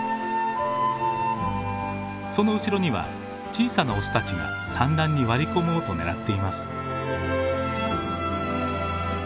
その後ろには小さなオスたちが産卵に割り込もうと狙っています。